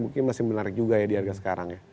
mungkin masih menarik juga ya di harga sekarang ya